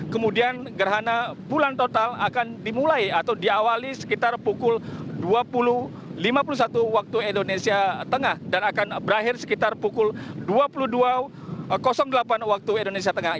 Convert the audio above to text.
kemudian gerhana bulan total akan dimulai atau diawali sekitar pukul dua puluh lima puluh satu waktu indonesia tengah dan akan berakhir sekitar pukul dua puluh dua delapan waktu indonesia tengah